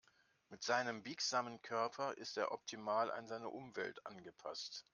Mit seinem biegsamen Körper ist er optimal an seine Umwelt angepasst.